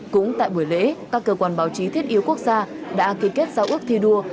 cũng tại buổi lễ các cơ quan báo chí thiết yếu quốc gia đã ký kết giao ước thi đua